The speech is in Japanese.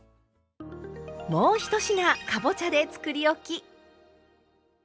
もう１品かぼちゃでつくりおき！